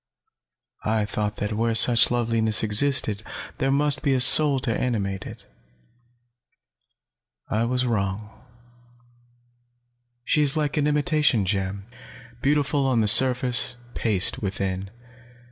I thought that where such loveliness existed, there must be a soul to animate it. I was wrong. She is like an imitation gem beautiful on the surface, paste within.